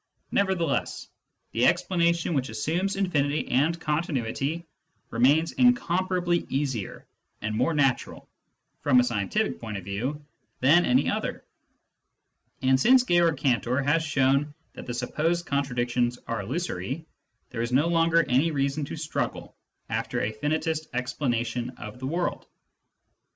Nevertheless, the explanation which assumes infinity and continuity remains incomparably easier and more natural, from a scientific point of view, than any other, and since Georg Cantor has shown that the supposed contradictions are illusory, there is no longer any reason to struggle after a finitist explanation of the world.